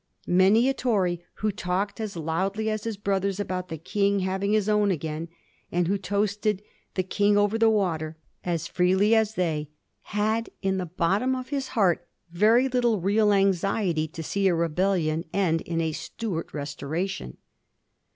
Many a Tory who talked as loudly as his brothers about the King having his own again, and who toasted * the King over the water ' as freely as they, had in the bottom of his heart very little real anxiety to see a rebellion end in a Stuart restoration.